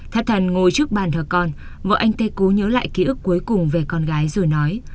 thật thần ngồi trước bàn thờ con vợ anh tê cố nhớ lại ký ức cuối cùng về con gái rồi nói